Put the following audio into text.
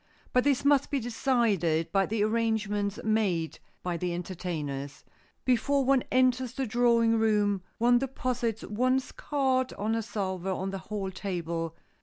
But this must be decided by the arrangements made by the entertainers. Before one enters the drawing room one deposits one's cards on the salver on the hall table.